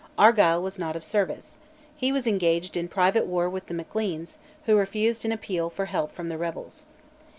Argyll was not of service; he was engaged in private war with the Macleans, who refused an appeal for help from the rebels.